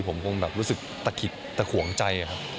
ผมคงรู้สึกตะขิดแต่หวงใจ